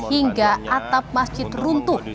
hingga atap masjid runtuh